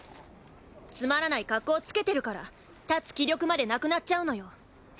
つまらない格好つけてるから立つ気力までなくなっちゃうのよ。